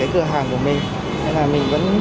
cửa hàng của mình mình vẫn